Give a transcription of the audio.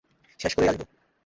শেষ করেই আসব।